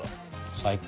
最高。